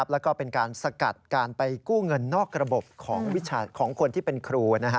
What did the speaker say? แล้วก็เป็นการสกัดการไปกู้เงินนอกระบบของคนที่เป็นครู